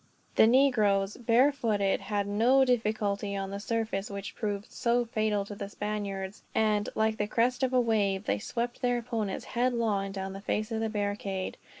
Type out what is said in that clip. The negroes, barefooted, had no difficulty on the surface which proved so fatal to the Spaniards; and, like the crest of a wave, they swept their opponents headlong down the face of the barricade.